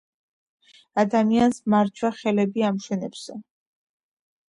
ადამიანს მარჯვე ხელები ამშვენებსო.